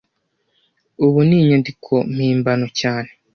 Ubu ni inyandiko mpimbano cyane